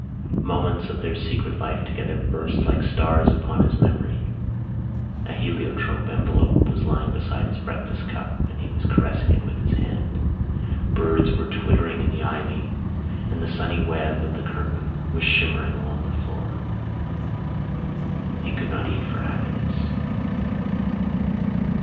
Moments of their secret life together burst like stars upon his memory. A heliotrope envelope was lying beside his breakfast cup and he was caressing it with his hand. Birds were twittering in the ivy and the sunny web of the curtain was shimmering along the floor: he could not eat for happiness.